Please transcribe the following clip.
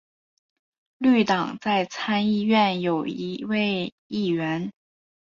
绿党在参议院有一位议员。